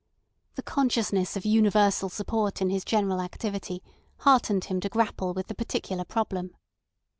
The consciousness of universal support in his general activity heartened him to grapple with the particular problem.